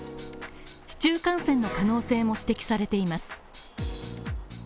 市中感染の可能性も指摘されています。